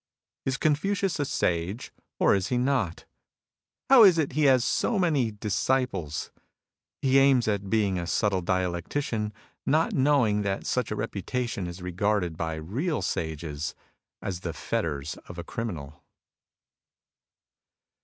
Is Confucius a Sage, or is he not ? How is it he has so many disciples ? He aims at being a subtle dialectician, not knowing that such a reputation is regarded by real Sages as the fetters of a criminal.